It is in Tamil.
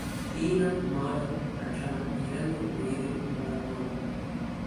ஈனம் மானம் அற்றவன் இரந்து வயிறு வளர்ப்பான்.